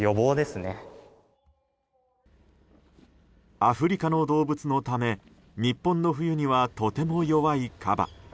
アフリカの動物のため日本の冬にはとても弱いカバ。